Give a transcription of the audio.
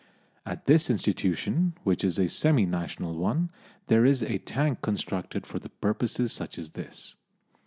At this institution, which is a semi national one, there is a tank constructed for purposes such as this.